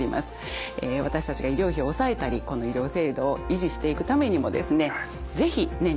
私たちが医療費を抑えたりこの医療制度を維持していくためにもですね